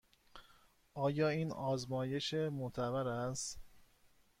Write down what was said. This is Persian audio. آیا این آزمایش معتبر است؟